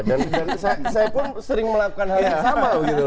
dan saya pun sering melakukan hal yang sama